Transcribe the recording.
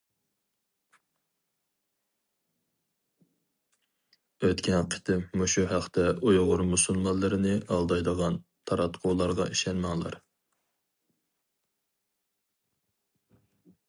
ئۆتكەن قېتىم مۇشۇ ھەقتە ئۇيغۇر مۇسۇلمانلىرىنى ئالدايدىغان تاراتقۇلارغا ئىشەنمەڭلار!